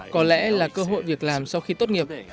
có lẽ là cơ hội việc làm sau khi tốt nghiệp